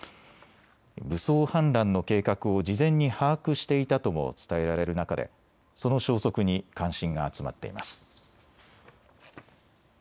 武装反乱の計画を事前に把握していたとも伝えられる中でその消息に関心が集まっています。